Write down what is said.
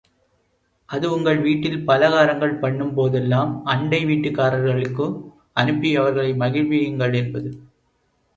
அது, உங்கள் வீட்டில் பலகாரங்கள் பண்ணும் போதெல்லாம், அண்டை வீட்டுக்காரர்களுக்கும் அனுப்பி அவர்களை மகிழ்வியுங்கள் என்பது.